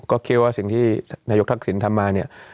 ก็คิดว่าสิ่งที่นายกทักษิณทำมาเนี่ย